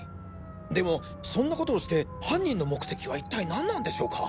でもそんなことをして犯人の目的は一体何なんでしょうか？